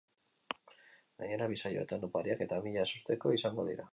Gainera, bi saioetan opariak eta mila ezusteko izango dira!